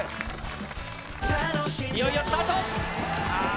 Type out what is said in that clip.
いよいよスタート！